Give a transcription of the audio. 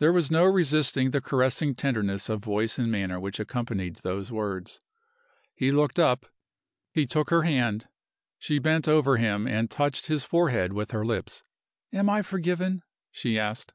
There was no resisting the caressing tenderness of voice and manner which accompanied those words. He looked up; he took her hand. She bent over him, and touched his forehead with her lips. "Am I forgiven?" she asked.